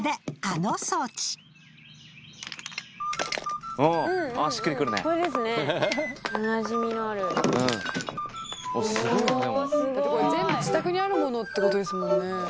だってこれ全部自宅にあるものって事ですもんね。